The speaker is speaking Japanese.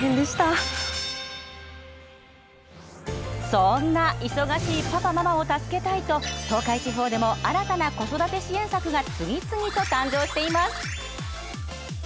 そんな忙しいパパママを助けたいと東海地方でも新たな子育て支援策が次々と誕生しています。